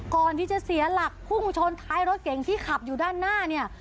ก่อนที่จะเสียหลักพุ่งชนท้ายรถเก่งที่ขับอยู่ด้านหน้าเนี่ย